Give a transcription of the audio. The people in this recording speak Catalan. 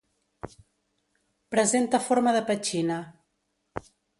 Presenta forma de petxina.